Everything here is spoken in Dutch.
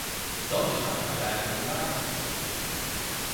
Dat is waar het uiteindelijk om draait.